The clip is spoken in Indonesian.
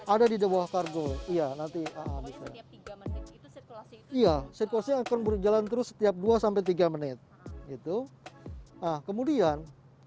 ada di bawah kargo iya nanti iya situasi akan berjalan terus setiap dua tiga menit itu kemudian